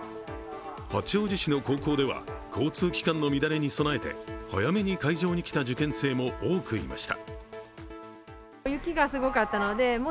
八王子市の高校では、交通機関の乱れに備えて、早めに会場に来た受験生も多くいました。